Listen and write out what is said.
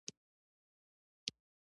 وسله له خلکو قرباني اخلي